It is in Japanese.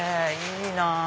いいなぁ。